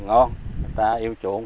tẹp ngon người ta yêu chuộng